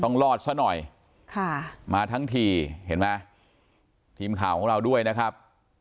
รอดซะหน่อยค่ะมาทั้งทีเห็นไหมทีมข่าวของเราด้วยนะครับ